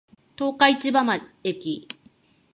十日市場駅